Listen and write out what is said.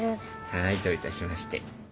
はいどういたしまして。